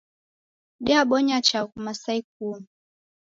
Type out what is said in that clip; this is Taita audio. Diabonya chaghu masaa ikumi